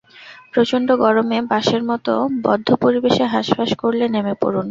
প্রচণ্ড গরমে বাসের মতো বদ্ধ পরিবেশে হাঁসফাঁস করলে নেমে পড়ুন।